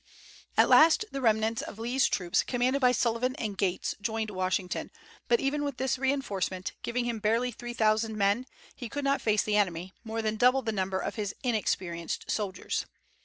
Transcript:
At last the remnant of Lee's troops, commanded by Sullivan and Gates, joined Washington; but even with this reinforcement, giving him barely three thousand men, he could not face the enemy, more than double the number of his inexperienced soldiers.